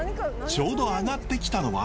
ちょうど揚がってきたのは。